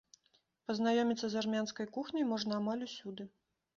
Пазнаёміцца з армянскай кухняй можна амаль усюды.